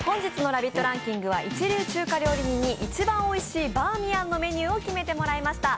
ランキングは一流料理人に一番おいしいバーミヤンのメニューを決めてもらいました。